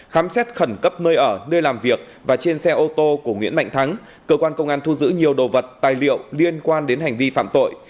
khám xét khẩn cấp nơi ở nơi làm việc và trên xe ô tô của nguyễn mạnh thắng cơ quan công an thu giữ nhiều đồ vật tài liệu liên quan đến hành vi phạm tội